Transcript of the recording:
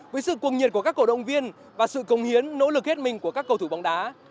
với sự cuồng nhiệt của các cổ động viên và sự công hiến nỗ lực hết mình của các cầu thủ bóng đá